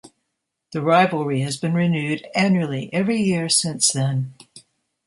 The rivalry has been renewed annually every year since then.